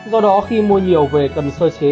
do đó khi mua nhiều về cần sơ chế